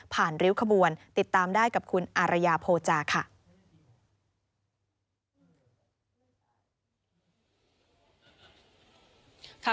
ริ้วขบวนติดตามได้กับคุณอารยาโภจาค่ะ